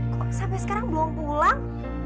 kok sampai sekarang belum pulang